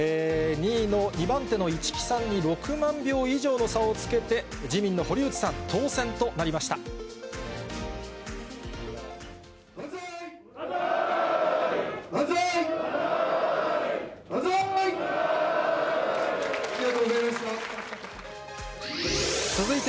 ２位の、２番手の市来さんに６万票以上の差をつけて、自民の堀内さん、万歳！ありがとうございました。